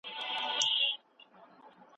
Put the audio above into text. افغانستان د لویو لوبو ډګر شو.